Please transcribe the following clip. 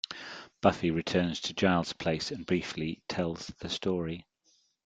Buffy returns to Giles' place and briefly tells the story.